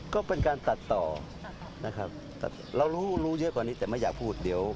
ก็เป็นการตัดต่อนะครับเรารู้รู้เยอะกว่านี้แต่ไม่อยากพูดเดี๋ยว